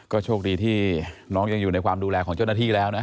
โชคดีที่น้องยังอยู่ในความดูแลของเจ้าหน้าที่แล้วนะ